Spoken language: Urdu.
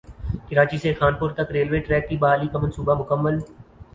کراچی سے خانپور تک ریلوے ٹریک کی بحالی کا منصوبہ مکمل